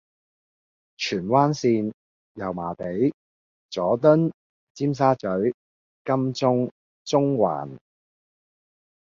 荃灣綫：油麻地，佐敦，尖沙咀，金鐘，中環